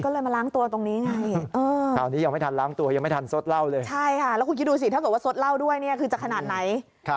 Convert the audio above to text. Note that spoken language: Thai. ก็เลยมาล้างตัวตรงนี้